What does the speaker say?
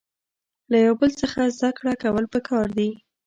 له یو بل څخه زده کړه کول پکار دي.